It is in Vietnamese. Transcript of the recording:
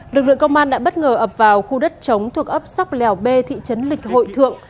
lực lượng công an đã bất ngờ ập vào khu đất chống thuộc ấp sóc lèo b thị trấn lịch hội thượng